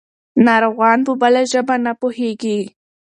ناروغان په بله ژبه نه پوهېږي.